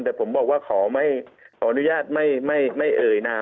แต่ผมบอกว่าขออนุญาตไม่เอ่ยนาม